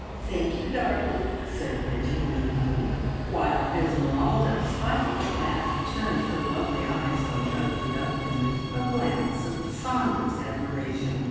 "Thank you, darling!" said Bridgie meekly, while Esmeralda stifled a laugh and turned her lovely eyes on the ugly duckling with a glance of fondest admiration.